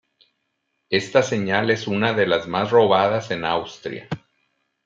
Esta señal es una de las más robadas en Austria.